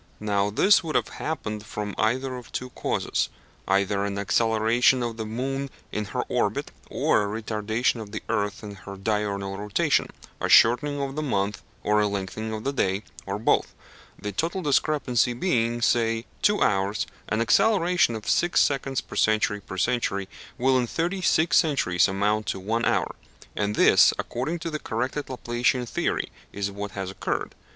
Now this would have happened from either of two causes, either an acceleration of the moon in her orbit, or a retardation of the earth in her diurnal rotation a shortening of the month or a lengthening of the day, or both. The total discrepancy being, say, two hours, an acceleration of six seconds per century per century will in thirty six centuries amount to one hour; and this, according to the corrected Laplacian theory, is what has occurred.